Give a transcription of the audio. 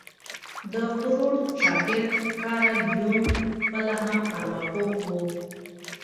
د فروډ شاګرد کارل يونګ خپله هم ارواپوه وو.